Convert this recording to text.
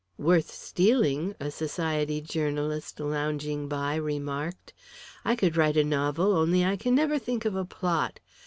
"Worth stealing," a Society journalist lounging by remarked. "I could write a novel, only I can never think of a plot.